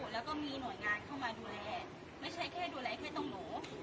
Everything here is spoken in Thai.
แล้วก็มีหน่วยงานเข้ามาดูแลไม่ใช่แค่ดูแลแค่ตรงหนู